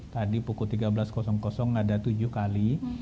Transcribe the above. tadi pukul tiga belas ada tujuh kali